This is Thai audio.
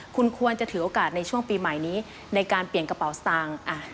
คุณควรจะถือโอกาสในช่วงปีใหม่นี้ในการเปลี่ยนกระเป๋าสตางค์